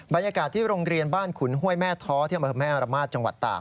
บรรยากาศที่โรงเรียนบ้านขุนห้วยแม่ท้อที่อำเภอแม่ระมาทจังหวัดตาก